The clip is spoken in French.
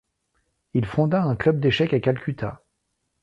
Il fonda un club d'échecs à Calcutta.